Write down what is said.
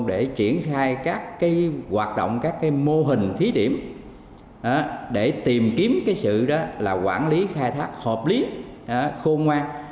để triển khai các hoạt động các mô hình thí điểm để tìm kiếm sự quản lý khai thác hợp lý khôn ngoan